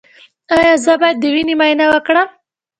ایا زه باید د وینې معاینه وکړم؟